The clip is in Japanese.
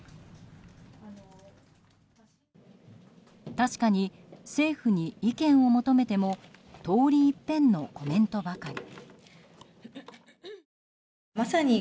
確かに政府に意見を求めても通り一遍のコメントばかり。